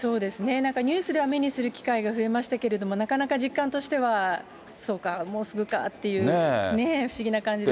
なんかニュースでは目にする機会が増えましたけれども、なかなか実感としては、そうか、もうすぐかっていうね、不思議な感じですよね。